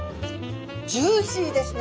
ジューシーですね！